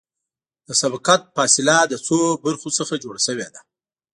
د سبقت فاصله د څو برخو څخه جوړه شوې ده